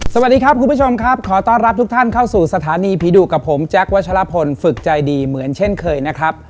สวัสดีครับคุณผู้ชมครับขอต้อนรับทุกท่านเข้าสู่สถานีผีดุกับผมแจ๊ควัชลพลฝึกใจดีเหมือนเช่นเคยนะครับ